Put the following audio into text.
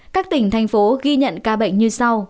các tỉnh thành phố ghi nhận ca bệnh như sau